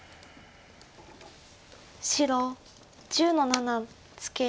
白１０の七ツケ。